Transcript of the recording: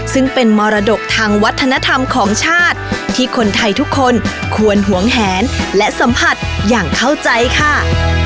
ซึ่งเป็นมรดกทางวัฒนธรรมของชาติที่คนไทยทุกคนควรหวงแหนและสัมผัสอย่างเข้าใจค่ะ